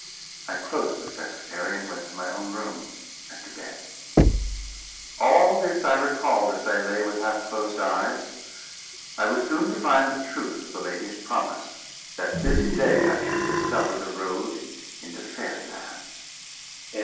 I closed the secretary, and went to my own room, and to bed. All this I recalled as I lay with half closed eyes. I was soon to find the truth of the lady's promise, that this day I should discover the road into Fairy Land.